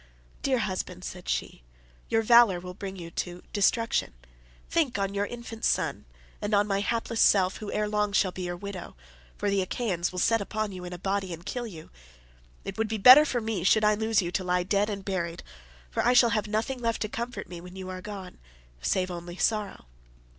"Dear husband," said she, "your valour will bring you to destruction; think on your infant son, and on my hapless self who ere long shall be your widow—for the Achaeans will set upon you in a body and kill you. It would be better for me, should I lose you, to lie dead and buried, for I shall have nothing left to comfort me when you are gone, save only sorrow.